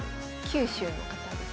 九州の方ですね。